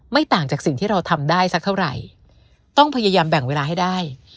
ต่างจากสิ่งที่เราทำได้สักเท่าไหร่ต้องพยายามแบ่งเวลาให้ได้